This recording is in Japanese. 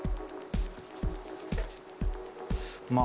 まあ。